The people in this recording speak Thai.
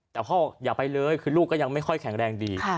แต่พ่ออย่าไปเลยคือลูกก็ยังไม่ค่อยแข็งแรงดี